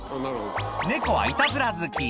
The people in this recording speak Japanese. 猫はいたずら好き